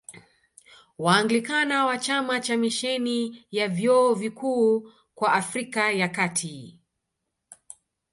Waanglikana wa chama cha Misheni ya Vyuo Vikuu kwa Afrika ya Kati